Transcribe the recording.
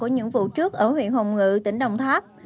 những vụ trước ở huyện hồng ngự tỉnh đồng tháp